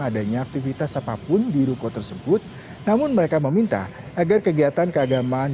adanya aktivitas apapun di ruko tersebut namun mereka meminta agar kegiatan keagamaan